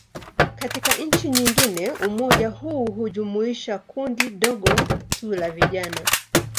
Katika nchi nyingine, umoja huu hujumuisha kundi dogo tu la vijana.